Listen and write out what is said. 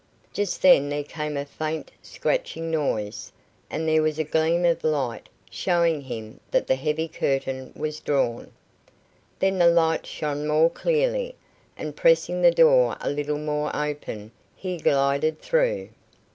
Just then there came a faint scratching noise, and there was a gleam of light, showing him that the heavy curtain was drawn. Then the light shone more clearly, and pressing the door a little more open, he glided through.